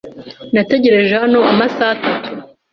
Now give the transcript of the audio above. Nategereje hano amasaha atatu.